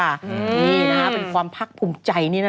นี่นะคะเป็นความพักภูมิใจนี่นะ